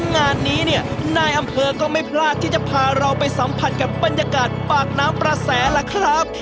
งานนี้เนี่ยนายอำเภอก็ไม่พลาดที่จะพาเราไปสัมผัสกับบรรยากาศปากน้ำประแสล่ะครับ